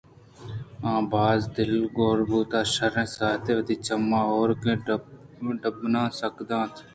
آ باز دلوارگ بُوت ءُ شرّیں ساعتے وتی چمّے ہورکیں ڈبّاناں سکّ داتنت